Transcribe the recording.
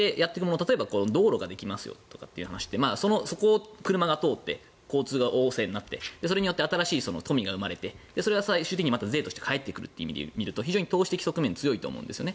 例えば道路ができますという話そこを車が通って交通が旺盛になってそれによって新しい富が生まれてそれが最終的に税で返ってくるとなると投資的側面が大きいと思うんですね。